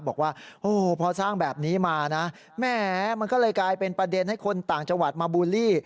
บอกว่าโอ้พอสร้างแบบนี้มานะแหมมันก็เลยกลายเป็นประเด็นให้คนต่างจังหวัดมาบูลลี่